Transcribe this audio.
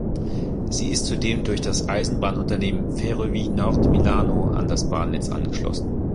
Sie ist zudem durch das Eisenbahnunternehmen Ferrovie Nord Milano an das Bahnnetz angeschlossen.